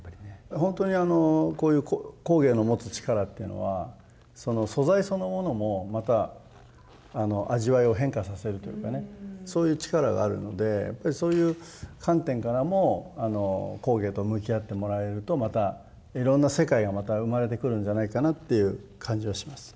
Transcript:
ほんとにこういう工芸の持つ力っていうのは素材そのものもまた味わいを変化させるというかねそういう力があるのでやっぱりそういう観点からも工芸と向き合ってもらえるとまたいろんな世界がまた生まれてくるんじゃないかなっていう感じはします。